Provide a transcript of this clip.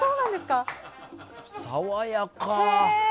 爽やか！